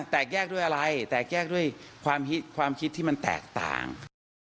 แตกแยกด้วยอะไรแตกแยกด้วยความคิดที่มันแตกต่าง